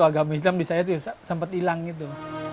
agama islam di saya itu sempat hilang gitu